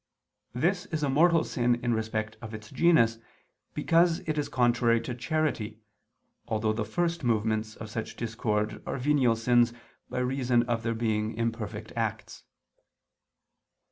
This is a mortal sin in respect of its genus, because it is contrary to charity, although the first movements of such discord are venial sins by reason of their being imperfect acts.